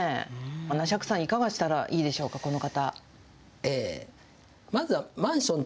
釈さん、いかがしたらいいでしょうか、この方。